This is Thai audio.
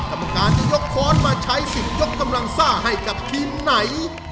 กรรมการจะยกค้อนมาใช้สิทธิ์ยกกำลังซ่าให้กับทีมไหน